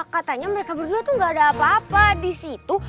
katanya mereka berdua tuh gak ada apa apa di situ